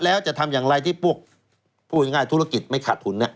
แล้วจะทำอย่างไรที่พวกพูดง่ายธุรกิจไม่ขาดทุน